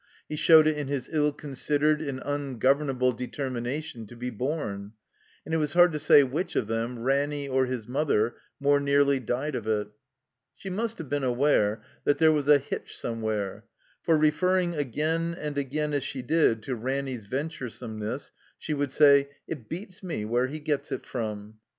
He showed it in his ill considered and tmgovemable determination to be bom, and it was hard to say which of them, Ranny .1 THE COMBINED MAZE or his mother, more nearly died of it. She must have been aware that there was a hitch somewhere; for, referring again and again, as she did, to Ranny's venturesomeness, she would say, '* It beats me whefe he gets it from."